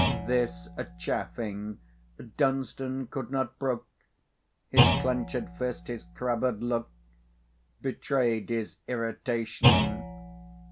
This chaffing Dunstan could not brook, His clenched fist, his crabbed look Betrayed his irritation.